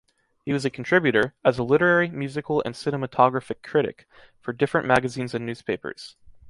He was a contributor, as a literary, musical and cinematographic critic, for different magazines and newspapers.